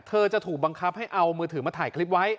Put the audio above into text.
จะถูกบังคับให้เอามือถือมาถ่ายคลิปไว้